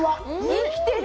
生きてる。